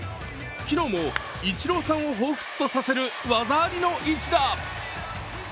昨日もイチローさんを彷彿とさせる技ありの一打。